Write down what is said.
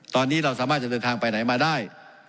ตอนนี้เราสามารถจะเดินทางไปไหนมาได้